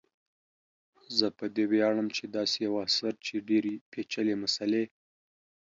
زه په دې ویاړم چي داسي یو اثر چي ډیري پیچلي مسالې